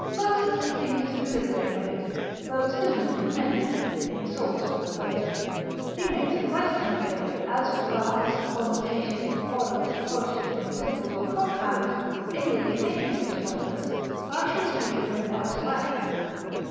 Rhasis seems to deliberate of it, though Simeon commend it (in sauce peradventure) he makes a question of it: as for baths, fomentations, oils, potions, simples or compounds, inwardly taken to this purpose, I shall speak of them elsewhere.